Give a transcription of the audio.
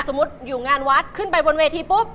อยู่งานวัดขึ้นไปบนเวทีปุ๊บ